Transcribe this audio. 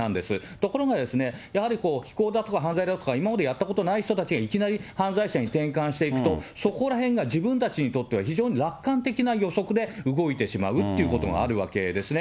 ところがですね、やはり非行だとか、犯罪だとか、今までやったことない人たちがいきなり犯罪者に転換していくと、そこらへんが、自分たちにとっては非常に楽観的な予測で動いてしまうっていうことがあるわけですね。